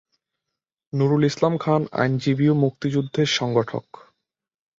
নুরুল ইসলাম খান আইনজীবী ও মুক্তিযুদ্ধের সংগঠক।